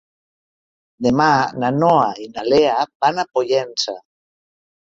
Demà na Noa i na Lea van a Pollença.